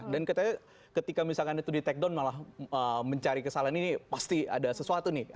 dan ketika misalkan itu di takedown malah mencari kesalahan ini pasti ada sesuatu nih